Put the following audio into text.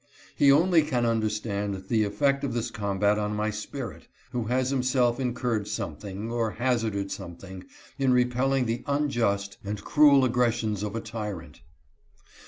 He only can understand the effect of this combat on my spirit, who has himself incurred something, or hazarded something, in repelling the unjust and cruel aggressions of a, tyrant.